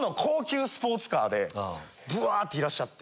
でブワっていらっしゃって。